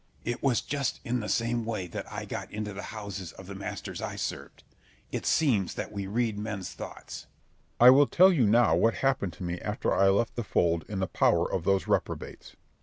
Scip. It was just in the same way that I got into the houses of the masters I served. It seems that we read men's thoughts. Berg. I will tell you now what happened to me after I left the fold in the power of those reprobates.